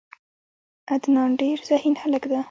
عدنان ډیر ذهین هلک ده.